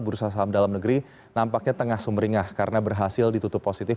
bursa saham dalam negeri nampaknya tengah sumringah karena berhasil ditutup positif